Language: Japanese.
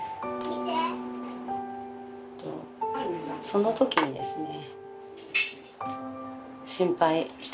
そのときにですね。